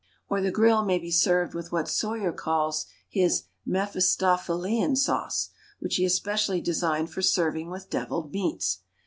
Or the grill may be served with what Soyer calls his Mephistophelian sauce, which he especially designed for serving with deviled meats.